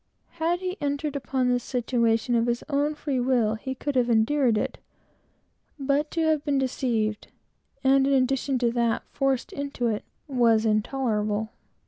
Had he entered upon his situation of his own free will, he could have endured it; but to have been deceived, and, in addition to that, forced into it, was intolerable.